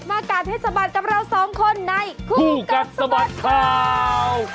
มาการให้สบัติกับเราสองคนในคู่กับสบัติข่าว